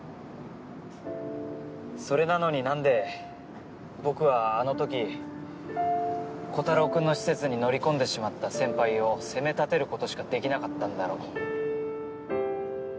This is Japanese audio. それなのになんで僕はあの時コタローくんの施設に乗り込んでしまった先輩を責め立てる事しかできなかったんだろう。